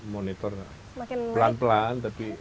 monitor pelan pelan tapi